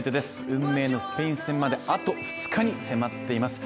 運命のスペイン戦まで、あと２日に迫っています。